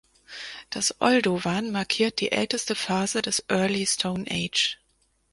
Das Oldowan markiert die älteste Phase des Early Stone Age.